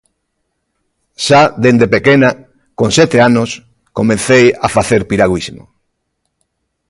Xa desde pequena, con sete anos, comecei a facer piragüismo.